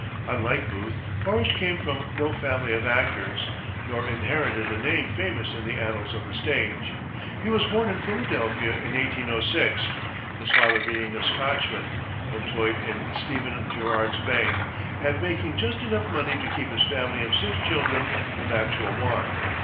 Unlike Booth, Forrest came from no family of actors, nor inherited a name famous in the annals of the stage. He was born in Philadelphia in 1806, his father being a Scotchman, employed in Stephen Girard's bank, and making just enough money to keep his family of six children from actual want.